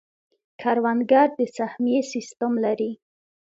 کروندګر د سهمیې سیستم لري.